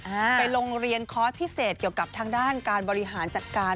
ไปโรงเรียนคอร์สพิเศษเกี่ยวกับทางด้านการบริหารจัดการ